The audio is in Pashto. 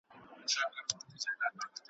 هري ښځي ته روپۍ یې وې منلي ,